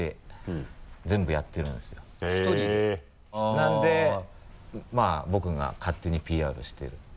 なのでまぁ僕が勝手にＰＲしてるって。